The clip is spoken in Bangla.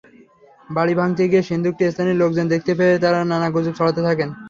বাড়ি ভাঙতে গিয়ে সিন্দুকটি স্থানীয় লোকজন দেখতে পেয়ে নানা গুজব ছড়াতে থাকেন।